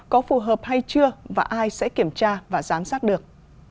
có phù hợp hay chưa và ai sẽ kiểm tra và giám sát được